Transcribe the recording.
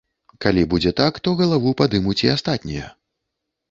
Калі будзе так, то галаву падымуць і астатнія.